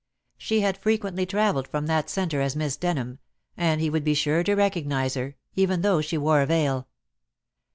She had frequently travelled from that centre as Miss Denham, and he would be sure to recognize her, even though she wore a veil.